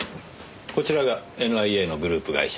こちらがＮＩＡのグループ会社。